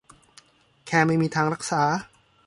แคร์ไม่มีทางรักษา